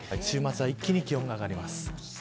週末は一気に気温が上がります。